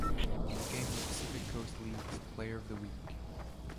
He became the Pacific Coast League's Player of the Week.